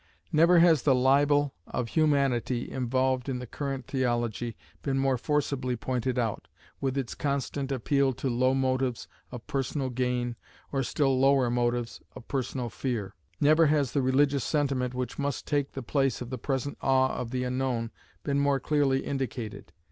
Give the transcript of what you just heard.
Never has the libel of humanity involved in the current theology been more forcibly pointed out, with its constant appeal to low motives of personal gain, or still lower motives of personal fear. Never has the religious sentiment which must take the place of the present awe of the unknown been more clearly indicated.